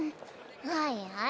はいはい。